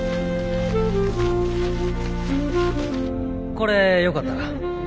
これよかったら。